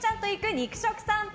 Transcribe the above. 肉食さんぽ。